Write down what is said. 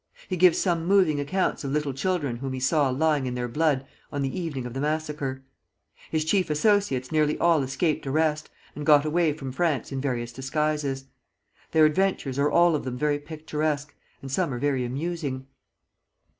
He gives some moving accounts of little children whom he saw lying in their blood on the evening of the massacre. His chief associates nearly all escaped arrest, and got away from France in various disguises. Their adventures are all of them very picturesque, and some are very amusing.